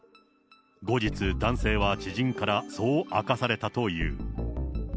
後日、男性は知人からそう明かされたという。